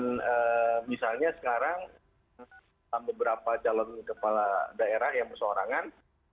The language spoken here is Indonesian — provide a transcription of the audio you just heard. dan misalnya sekarang beberapa calon kepala daerah yang bersorangan